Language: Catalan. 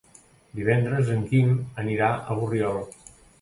Divendres en Guim anirà a Borriol.